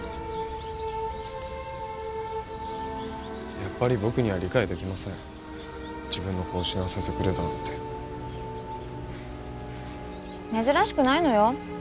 やっぱり僕には理解できません自分の子を死なせてくれだなんて珍しくないのよ